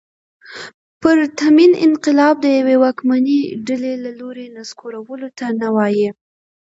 پرتمین انقلاب د یوې واکمنې ډلې له لوري نسکورولو ته نه وايي.